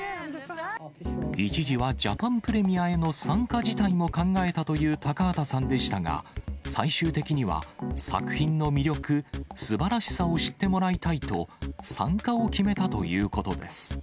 一時はジャパンプレミアへの参加辞退も考えたという高畑さんでしたが、最終的には作品の魅力、すばらしさを知ってもらいたいと、参加を決めたということです。